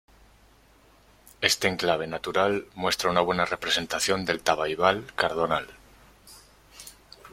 Este enclave natural muestra una buena representación del Tabaibal-Cardonal.